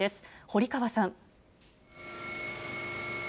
堀川さん。